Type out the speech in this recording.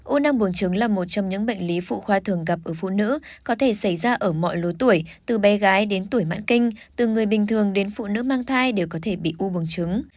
ô năng bùn trứng là một trong những bệnh lý phụ khoa thường gặp ở phụ nữ có thể xảy ra ở mọi lứa tuổi từ bé gái đến tuổi mãn kinh từ người bình thường đến phụ nữ mang thai đều có thể bị u vừng trứng